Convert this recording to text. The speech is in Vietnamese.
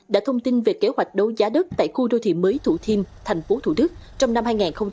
đã thông tin về kế hoạch đấu giá đất tại khu đô thị mới thủ thiêm tp thủ đức trong năm hai nghìn hai mươi bốn